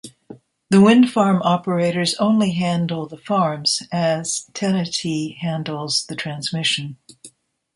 The wind farm operators only handle the farms, as TenneT handles the transmission.